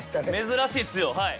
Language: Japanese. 珍しいっすよはい。